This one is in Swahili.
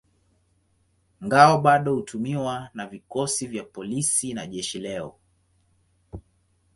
Ngao bado hutumiwa na vikosi vya polisi na jeshi leo.